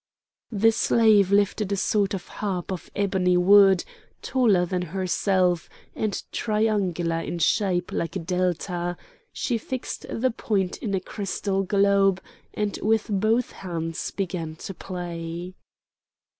The slave lifted a sort of harp of ebony wood, taller than herself, and triangular in shape like a delta; she fixed the point in a crystal globe, and with both hands began to play.